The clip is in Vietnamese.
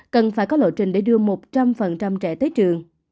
cần phải có lộ trình để đưa một trăm linh trẻ tới trường